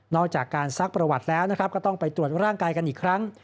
อกจากการซักประวัติแล้วนะครับก็ต้องไปตรวจร่างกายกันอีกครั้ง